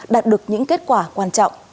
đạt được những kết quả quan trọng